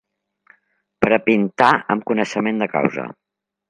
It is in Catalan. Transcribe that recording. Per a pintar, amb coneixement de causa